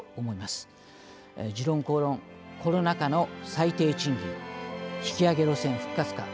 「時論公論コロナ禍の最低賃金引き上げ路線復活か」。